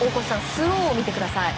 スローを見てください。